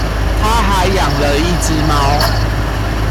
她還養了一隻貓